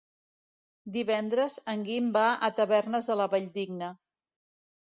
Divendres en Guim va a Tavernes de la Valldigna.